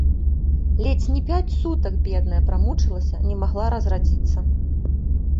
Ледзь не пяць сутак, бедная, прамучылася, не магла разрадзіцца.